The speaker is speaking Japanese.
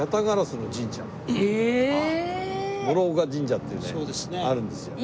師岡神社っていうねあるんですよ。